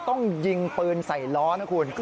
ต้องยิงปืนใส่ล้อนะคุณ